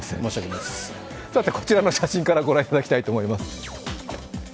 さて、こちらの写真が御覧いただきたいと思います。